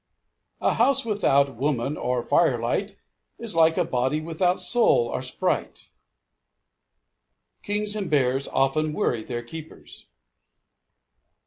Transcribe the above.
A house without woman or firelight is like a body without soul or sprite. Kings and bears often worry their keepers.